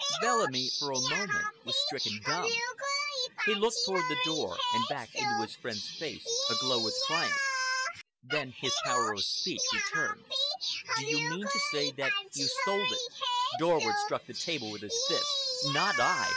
Bellamy for a moment was stricken dumb. He looked toward the door and back into his friend's face aglow with triumph. Then his power of speech returned. "Do you mean to say that you stole it?" Dorward struck the table with his fist. "Not I!